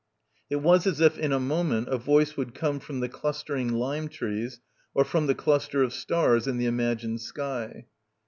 It was as if in a moment a voice would come from the clustering lime trees or from the cluster of stars in the imagined sky.